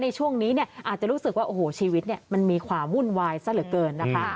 ในช่วงนี้อาจจะรู้สึกว่าโอ้โหชีวิตมันมีความวุ่นวายซะเหลือเกินนะคะ